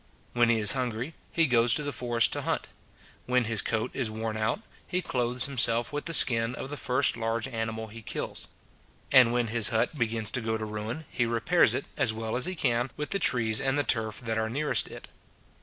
When he is hungry, he goes to the forest to hunt; when his coat is worn out, he clothes himself with the skin of the first large animal he kills: and when his hut begins to go to ruin, he repairs it, as well as he can, with the trees and the turf that are nearest it.